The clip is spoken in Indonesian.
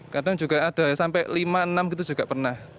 kadang juga ada sampai lima enam gitu juga pernah